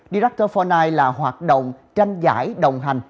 director for night là hoạt động tranh giải đồng hành